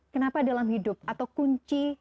kenapa dalam hidup atau kunci